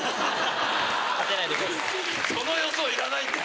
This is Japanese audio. その予想いらないんだ！